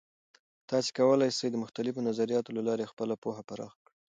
تاسې کولای سئ د مختلفو نظریاتو له لارې خپله پوهه پراخه کړئ.